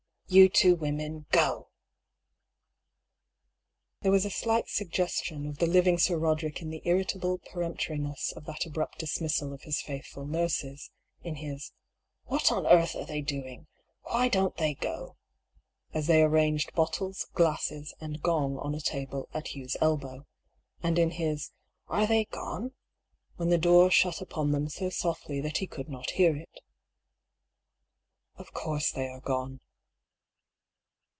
You two women, go,^^ There was a slight suggestion of the living Sir Rod erick in the irritable peremptoriness of that abrupt dis missal of his faithful nurses ; in his ^^ What on earth are they doing ? Why don't they go ?" as they arranged bottles, glasses, and gong on a table at Hugh's elbow ; and in his " Are they gone ?" when the door shut upon them so softly that he could not hear it. " Of course they are gone."